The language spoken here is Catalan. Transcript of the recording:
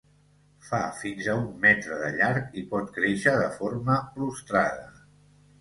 Fa fins a un metre de llarg i pot créixer de forma prostrada.